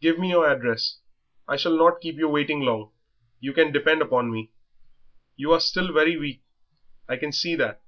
Give me your address. I shall not keep you long waiting, you can depend upon me. You are still very weak, I can see that.